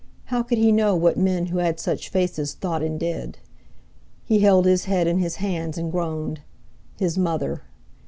How could he know what men who had such faces thought and did? He held his head in his hands and groaned. His mother!